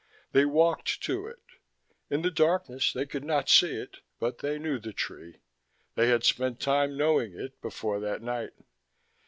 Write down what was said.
They walked to it. In the darkness they could not see it, but they knew the tree: they had spent time knowing it before that night.